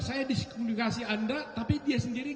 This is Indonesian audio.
saya diskomunikasi anda tapi dia sendiri